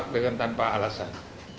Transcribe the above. jangan nanti dikira saya menolak tanpa alasan